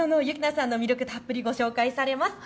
さんの魅力、たっぷりご紹介されます。